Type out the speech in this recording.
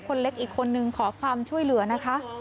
คนเล็กอีกคนนึงขอความช่วยด้วยนะครับ